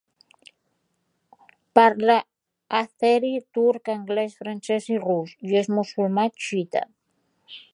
Parla àzeri, turc, anglès, francès i rus, i és musulmà xiïta.